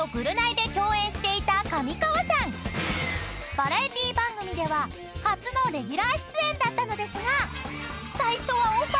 ［バラエティー番組では初のレギュラー出演だったのですが］